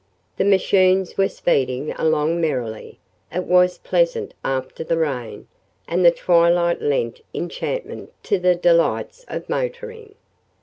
The machines were speeding along merrily. It was pleasant after the rain, and the twilight lent enchantment to the delights of motoring.